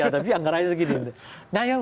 tapi anggarannya segini